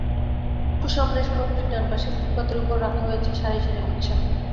একটু সামনে সড়কটির ডান পাশের ফুটপাতের ওপর রাখা হয়েছে সারি সারি রিকশা।